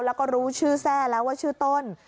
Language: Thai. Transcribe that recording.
แล้วก็รู้ชื่อแทร่แล้วว่าชื่อต้น